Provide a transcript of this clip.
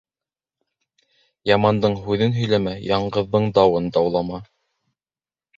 Ямандың һүҙен һөйләмә, яңғыҙҙың дауын даулама.